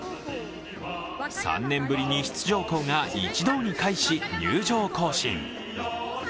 ３年ぶりに出場校が一堂に会し入場行進。